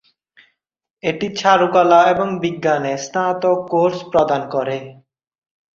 এটি চারুকলা এবং বিজ্ঞানে স্নাতক কোর্স প্রদান করে।